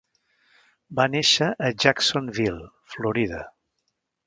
Va néixer a Jacksonville, Florida.